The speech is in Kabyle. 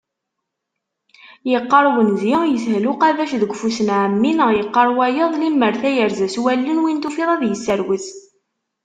Yeqqar unzi: Yeshel uqabac deg ufus n Ɛemmi neɣ yeqqar wayeḍ: Limmer tayerza s wallen, win tufiḍ ad yesserwet.